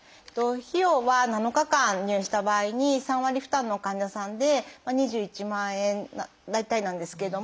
費用は７日間入院した場合に３割負担の患者さんで２１万円大体なんですけれども。